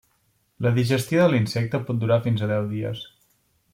La digestió de l'insecte pot durar fins a deu dies.